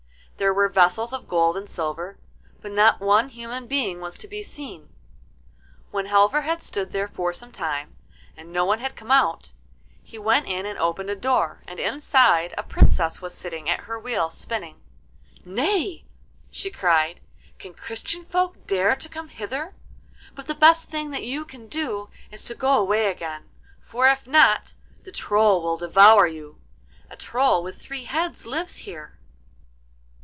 There were vessels of gold and silver, but not one human being was to be seen. When Halvor had stood there for some time, and no one had come out, he went in and opened a door, and inside a Princess was sitting at her wheel spinning. 'Nay!' she cried, 'can Christian folk dare to come hither? But the best thing that you can do is to go away again, for if not the Troll will devour you. A Troll with three heads lives here.